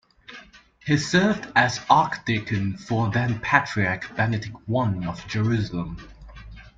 He served as archdeacon for then-patriarch Benedict I of Jerusalem.